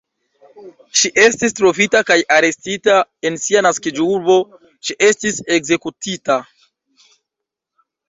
Ŝi estis trovita kaj arestita, en sia naskiĝurbo ŝi estis ekzekutita.